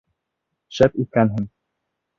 Шәп иткәнһең!